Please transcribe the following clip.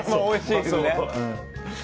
おいしいですよね。